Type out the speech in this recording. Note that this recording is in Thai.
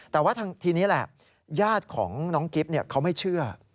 แต่ว่าทีนี้แหละญาติของน้องกิ๊บเขาไม่เชื่อ